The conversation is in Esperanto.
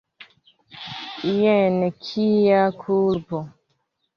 Jen kia kulpo!